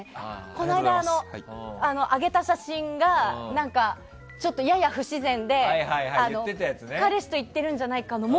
この間、上げた写真がやや不自然で彼氏と行ってるんじゃないかと。